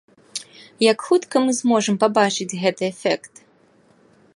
Як хутка мы зможам пабачыць гэты эфект?